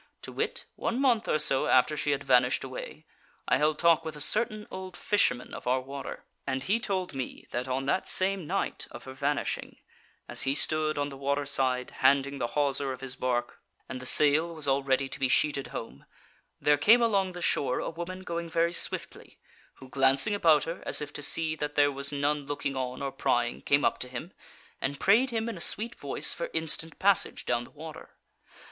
To wit; one month or so after she had vanished away, I held talk with a certain old fisherman of our water, and he told me that on that same night of her vanishing, as he stood on the water side handing the hawser of his barque, and the sail was all ready to be sheeted home, there came along the shore a woman going very swiftly, who, glancing about her, as if to see that there was none looking on or prying, came up to him, and prayed him in a sweet voice for instant passage down the water.